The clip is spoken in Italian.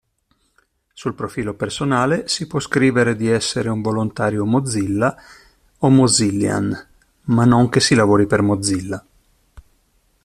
Sul profilo personale si può scrivere di essere un volontario Mozilla o Mozillian ma non che si lavori per Mozilla.